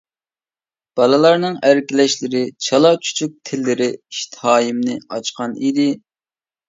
بالىلارنىڭ ئەركىلەشلىرى، چالا، چۈچۈك تىللىرى ئىشتىھايىمنى ئاچقان ئىدى.